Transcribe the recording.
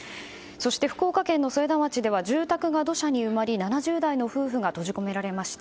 そして、福岡県添田町では住宅が土砂に埋まり７０代の夫婦が閉じ込められました。